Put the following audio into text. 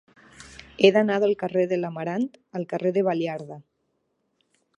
He d'anar del carrer de l'Amarant al carrer de Baliarda.